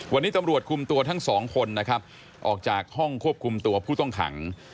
วันนี้ตำรวจคุมตัวทั้งสองคนนะครับออกจากห้องควบคุมตัวผู้ต้องขัง